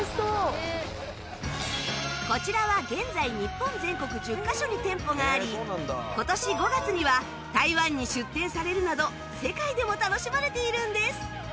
こちらは現在日本全国１０カ所に店舗があり今年５月には台湾に出店されるなど世界でも楽しまれているんです